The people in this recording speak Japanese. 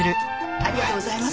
ありがとうございます。